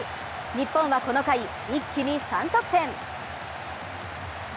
日本はこの回、一気に３得点。